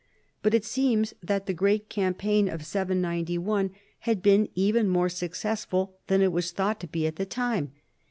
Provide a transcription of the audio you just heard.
But it seems that the great campaign of 791 had 214 CHARLEMAGNE. been even more successful than it was thought to be at the time.